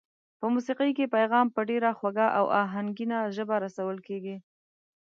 په موسېقۍ کې پیغام په ډېره خوږه او آهنګینه ژبه رسول کېږي.